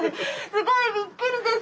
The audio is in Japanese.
すごいびっくりです！